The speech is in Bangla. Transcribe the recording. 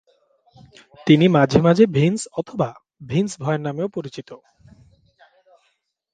তিনি মাঝে মাঝে ভিন্স অথবা ভিন্স ভয়ের নামেও পরিচিত।